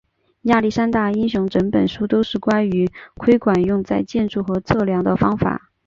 亚历山大英雄整本书都是关于窥管用在建筑和测量的方法。